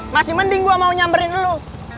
masih mending gue mau nyamberin lu